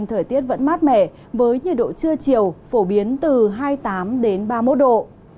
thời tiết vẫn mát mẻ với nhiệt độ trưa chiều phổ biến từ hai mươi tám ba mươi một độ